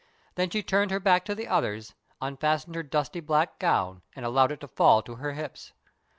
Then she turned her back to the others, unfastened her dusty black gown, and allowed it to fall to her hips.